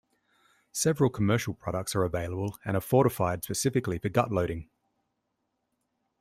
Several commercial products are available and are fortified specifically for gut loading.